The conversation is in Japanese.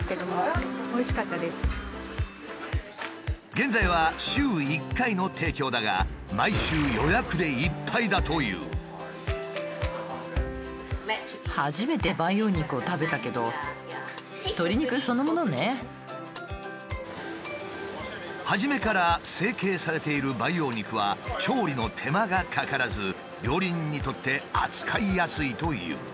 現在は週１回の提供だが初めから成型されている培養肉は調理の手間がかからず料理人にとって扱いやすいという。